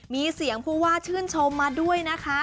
มีเสียงผู้ว่าชื่นชมมาด้วยนะคะ